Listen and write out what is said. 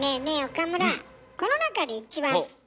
岡村。